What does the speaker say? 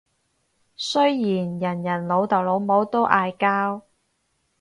雖然人人老豆老母都嗌交